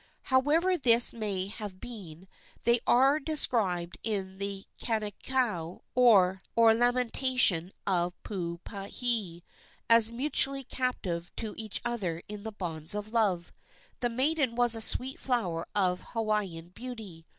However this may have been, they are described in the Kanikau, or "Lamentation of Puupehe," as mutually captive to each other in the bonds of love. The maiden was a sweet flower of Hawaiian beauty.